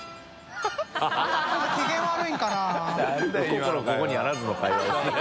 心ここにあらずの会話ですね。